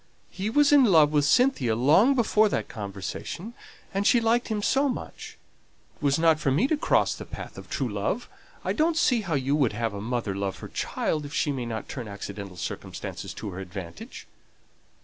He was in love with Cynthia long before that conversation, and she liked him so much. It was not for me to cross the path of true love. I don't see how you would have a mother show her love for her child if she may not turn accidental circumstances to her advantage.